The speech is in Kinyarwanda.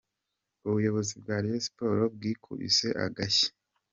Ubuyobozi bwa Rayon sports bwikubise agashyi.